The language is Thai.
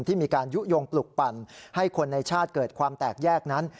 ที่มีการยุโยงปลุกปั่นให้คนในชาติเกิดความแตกแยกนั้น